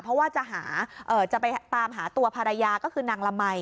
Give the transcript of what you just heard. เพราะว่าจะไปตามหาตัวภรรยาก็คือนางละมัย